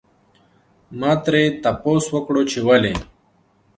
ما ترې تپوس وکړو چې ولې؟